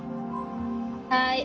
はい。